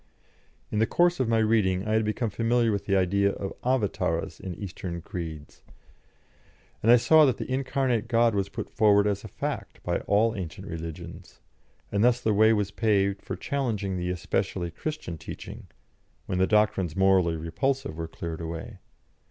In the course of my reading I had become familiar with the idea of Avatâras in Eastern creeds, and I saw that the incarnate God was put forward as a fact by all ancient religions, and thus the way was paved for challenging the especially Christian teaching, when the doctrines morally repulsive were cleared away.